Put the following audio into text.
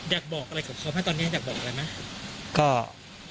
อยากบอกอะไรกับเขาไหมตอนนี้อยากบอกอะไรไหม